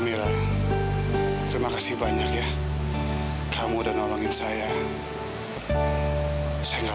amira terima kasih banyak ya kamu udah nolongin saya